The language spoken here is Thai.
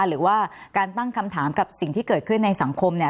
หรือว่าการตั้งคำถามกับสิ่งที่เกิดขึ้นในสังคม